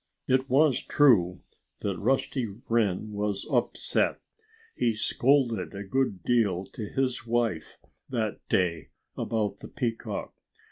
It was true that Rusty Wren was upset. He scolded a good deal to his wife that day about the peacock.